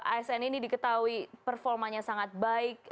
asn ini diketahui performanya sangat baik